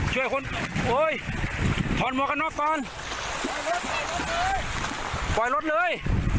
ช่วยคนโอ้ยทอนมอกข้างนอกก่อนปล่อยรถปล่อยรถเลย